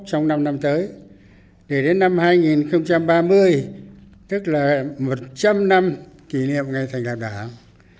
trong năm năm tới để đến năm hai nghìn ba mươi tức là một trăm linh năm kỷ niệm ngày thành lập đảng